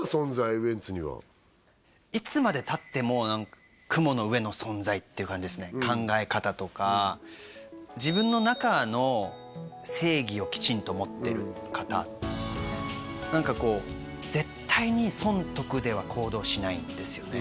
ウエンツにはいつまでたっても雲の上の存在っていう感じですね考え方とか自分の中の正義をキチンと持ってる方何かこう絶対に損得では行動しないんですよね